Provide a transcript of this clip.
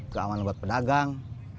keamanan buat pedagang